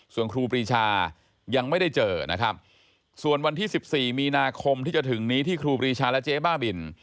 ส่วนครูปรีชายังไม่ได้เจอนะครับส่วนวันที่๑๔มีนาคมที่จะถึงนี้ที่ครูปรีชาและเจ๊บ้าบิน